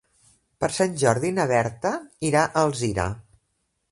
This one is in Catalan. Per Sant Jordi na Berta irà a Alzira.